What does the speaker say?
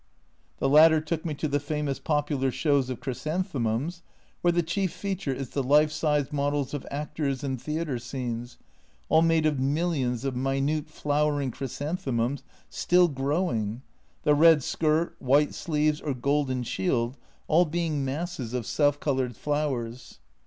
The latter took me to the famous popular shows of chrysanthemums, where the chief feature is the life size models of actors and theatre scenes, all made of millions of minute flowering chrysanthemums still growing, the red skirt, white sleeves or golden shield all being masses of self A Journal from Japan 67 coloured flowers.